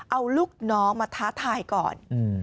เอาลูกน้องมาท้าทายก่อน